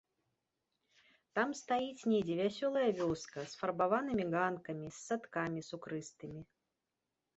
Там стаіць недзе вясёлая вёска з фарбаванымі ганкамі, з садкамі сукрыстымі.